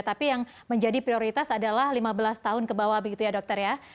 tapi yang menjadi prioritas adalah lima belas tahun ke bawah begitu ya dokter ya